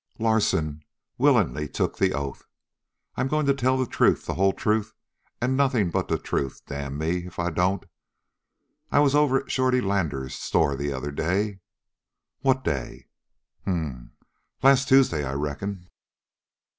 Larsen willingly took the oath. "I'm going to tell the truth, the whole truth, and nothing but the truth, damn me if I don't! I was over to Shorty Lander's store the other day " "What day?" "Hmm! Last Tuesday, I reckon."